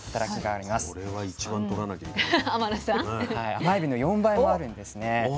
甘エビの４倍もあるんですね。